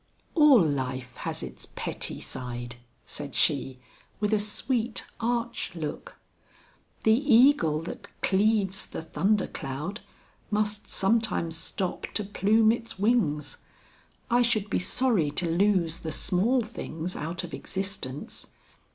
"All life has its petty side," said she, with a sweet arch look. "The eagle that cleaves the thunder cloud, must sometimes stop to plume its wings. I should be sorry to lose the small things out of existence.